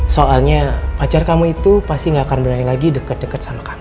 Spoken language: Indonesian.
soalnya pacar kamu itu pasti gak akan berani lagi deket deket sama kamu